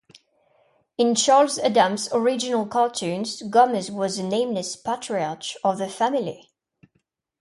In Charles Addams's original cartoons, Gomez was the nameless patriarch of the Family.